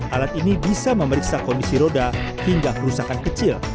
alat ini bisa memeriksa kondisi roda hingga kerusakan kecil